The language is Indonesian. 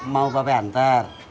mau bapak bantar